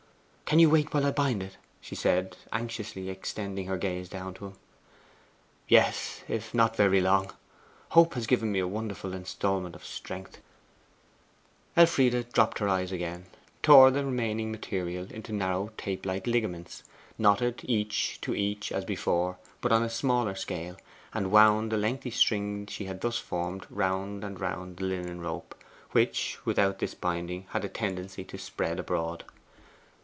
'Can you wait while I bind it?' she said, anxiously extending her gaze down to him. 'Yes, if not very long. Hope has given me a wonderful instalment of strength.' Elfride dropped her eyes again, tore the remaining material into narrow tape like ligaments, knotted each to each as before, but on a smaller scale, and wound the lengthy string she had thus formed round and round the linen rope, which, without this binding, had a tendency to spread abroad.